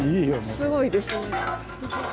すごいですね。